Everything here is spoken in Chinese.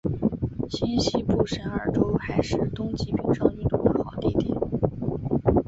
新罕布什尔州还是冬季冰上运动的好地点。